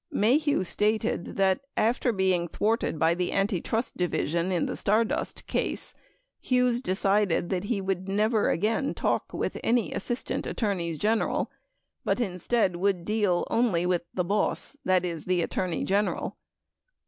20 Maheu stated that, after being thwarted by the Antitrust Division in the Stardust case, Hughes decided that he would never again "talk with any Assistant Attorneys General," but instead would deal only with "the boss;" that is the Attorney General.